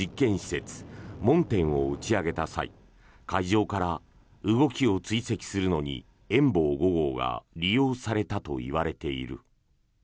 設問天を打ち上げた際海上から動きを追跡するのに「遠望５号」が利用されたといわれている。